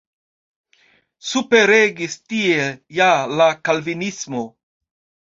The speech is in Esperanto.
Superregis tie ja la Kalvinismo.